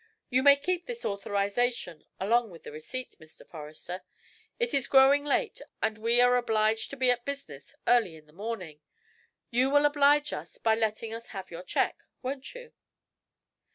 You may keep this authorization along with the receipt. Mr. Forrester, it is growing late, and we are obliged to be at business early in the morning. You will oblige us by letting us have your check, won't you?"